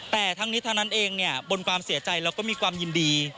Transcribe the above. แต่ทั้งนี้ทั้งนั้นเองบนความเสียใจแล้วก็มีความยินดี